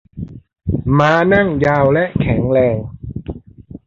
ม้านั่งยาวและแข็งแรง